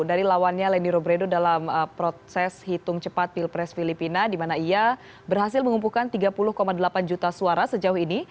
dari lawannya lenny robredo dalam proses hitung cepat pilpres filipina di mana ia berhasil mengumpulkan tiga puluh delapan juta suara sejauh ini